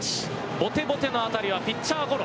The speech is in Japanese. ぼてぼての当たりはピッチャーゴロ。